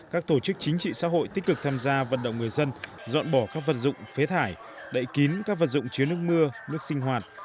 các tổ chức chính trị xã hội tích cực tham gia vận động người dân dọn bỏ các vật dụng phế thải đậy kín các vật dụng chứa nước mưa nước sinh hoạt